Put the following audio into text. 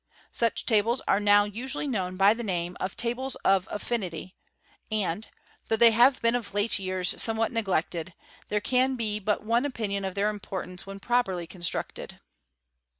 Such tables are now usually known by the name of tablet ofaffiaily; aDd, though they have been oflate years somewhat neg^lecied, there can be but one opinion of their importance when properly constructed.